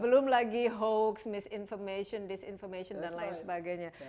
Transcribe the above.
belum lagi hoax misinformation disinformation dan lain sebagainya